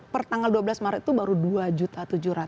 pertanggal dua belas maret itu baru dua tujuh juta